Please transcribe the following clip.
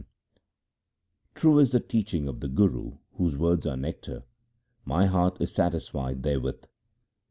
256 THE SIKH RELIGION True is the teaching of the Guru whose words are nectar ; my heart is satisfied therewith.